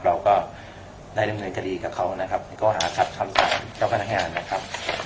เราก็ได้เงินเงินกดีกับเขานะครับก็หาครับทำสารเจ้าค้านักงานนะครับ